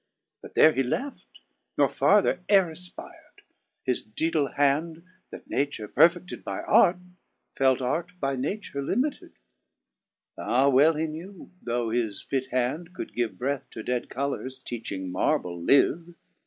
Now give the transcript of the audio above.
But there he left, nor farther ere afpir'd ; His daedale hand, that Nature perfeAed By Arte, felt Arte by Nature limitted. Ah ! well he knew, though his fit hand could give Breath to dead colours, teaching marble live.